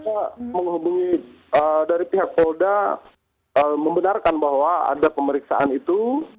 saya menghubungi dari pihak polda membenarkan bahwa ada pemeriksaan itu